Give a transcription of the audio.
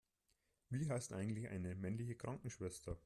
Wie heißt eigentlich eine männliche Krankenschwester?